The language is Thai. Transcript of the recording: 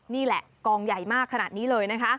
นี่แหละกองใหญ่มากขนาดนี้เลยนะคะ